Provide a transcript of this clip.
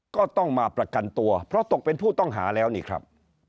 ก็ต้องมาประกันตัวเพราะตกเป็นผู้ต้องหาแล้วนี่ครับ